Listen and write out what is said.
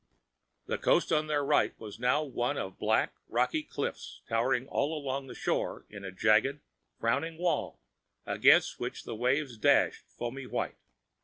The coast on their right was now one of black, rocky cliffs, towering all along the shore in a jagged, frowning wall against which the waves dashed foamy white.